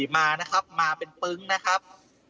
มานะครับมาเป็นปึ๊งนะครับ